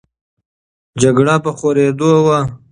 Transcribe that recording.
جګړه په خورېدو وه.